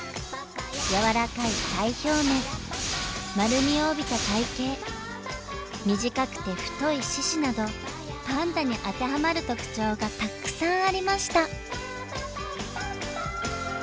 柔らかい体表面丸みを帯びた体型短くて太い四肢などパンダに当てはまる特徴がたっくさんありました！